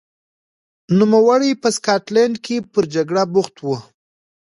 نوموړی په سکاټلند کې پر جګړه بوخت و.